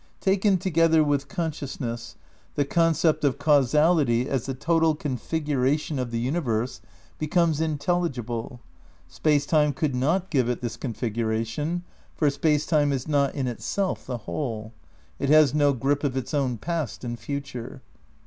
Taken together with consciousness, the concept of caus ality as the "total configuration of the universe" be comes intelligible. Space Time could not give it this configuration, for Space Time is not in itself the Whole ; it has no grip of its own past and future.